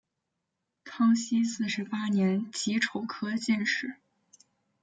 康熙四十八年己丑科进士。